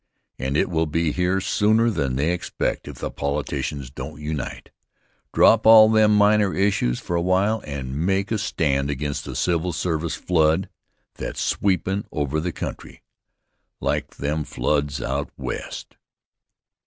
And it will be here sooner than they expect if the politicians don't unite, drop all them minor issues for a while and make a stand against the civil service flood that's sweepin' over the country like them floods out West.